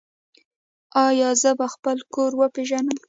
ایا زه به خپل کور وپیژنم؟